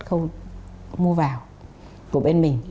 thì nó sẽ được mua vào của bên mình